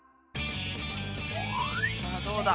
さあどうだ？